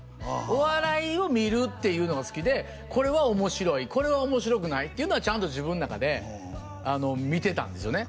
お笑いを見るっていうのが好きでこれは面白いこれは面白くないっていうのはちゃんと自分の中で見てたんですよね